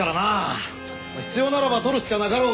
必要ならば取るしかなかろうが。